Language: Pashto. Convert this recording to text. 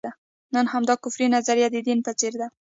نن همدا کفري نظریه د دین په څېر ده.